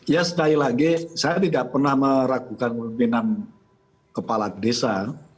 ya sekali lagi saya tidak pernah meragukan pemimpinan kepala desa